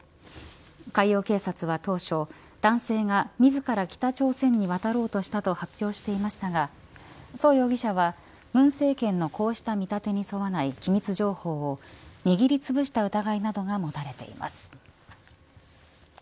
海洋警察は当初、男性が自ら北朝鮮に渡ろうとしたと発表していましたが徐容疑者は文政権のこうした見立てに沿わない機密情報を握りつぶした疑いなどが持たれています。